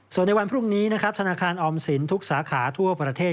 ส่วนในวันพรุ่งนี้นะครับธนาคารออมสินทุกสาขาทั่วประเทศ